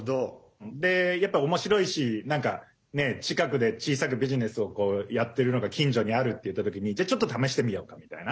やっぱ、おもしろいしなんかね、近くで小さくビジネスをやってるのが近所にあるっていった時にじゃあ、ちょっと試してみようかみたいな。